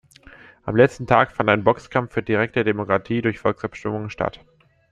Am letzten Tag fand ein „Boxkampf für direkte Demokratie durch Volksabstimmung“ statt.